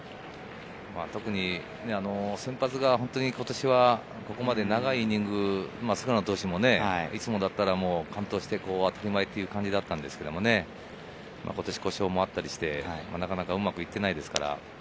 先発が今年は、ここまで長いイニング、菅野投手もいつもだったら完投してという感じだったんですけど、今年、故障もあったりして、なかなかうまくいっていないです